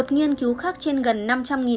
một nghiên cứu khác trên gần năm trăm linh bệnh nhân